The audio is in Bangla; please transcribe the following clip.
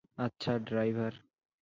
আচ্ছা, ড্রাইভার।